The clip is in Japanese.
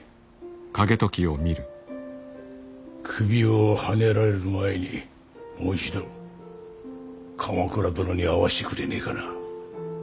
首をはねられる前にもう一度鎌倉殿に会わせてくれねえかな。